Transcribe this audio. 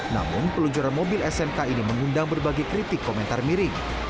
namun peluncuran mobil smk ini mengundang berbagai kritik komentar miring